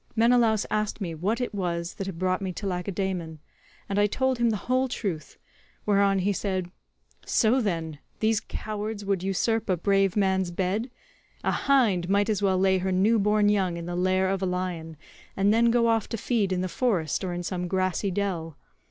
Menelaus asked me what it was that had brought me to Lacedaemon, and I told him the whole truth, whereon he said, 'So, then, these cowards would usurp a brave man's bed? A hind might as well lay her new born young in the lair of a lion, and then go off to feed in the forest or in some grassy dell.